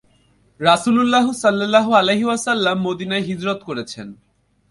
রাসূলুল্লাহ সাল্লাল্লাহু আলাইহি ওয়াসাল্লাম মদীনায় হিজরত করেছেন।